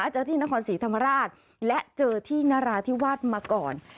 เจอที่นครศรีธรรมราชและเจอที่นราธิวาสมาก่อน